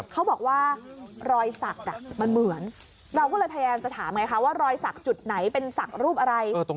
เขาบอกว่ารอยสักมันเหมือนเราก็เลยพยายามจะถามไงคะว่ารอยสักจุดไหนเป็นศักดิ์รูปอะไร